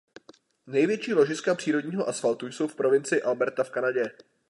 Největší ložiska přírodního asfaltu jsou v provincii Alberta v Kanadě.